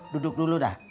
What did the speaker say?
duduk dulu dah